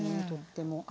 とっても。